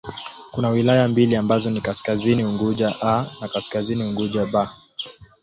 Kuna wilaya mbili ambazo ni Kaskazini Unguja 'A' na Kaskazini Unguja 'B'.